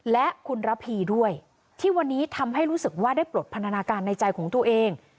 และคุณระพีด้วยที่วันนี้ทำให้รู้สึกว่าได้ปลดพันธนาการในใจของตัวเอง